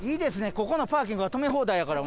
ここのパーキングは止め放題やから。